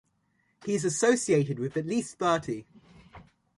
He is associated with at least thirty.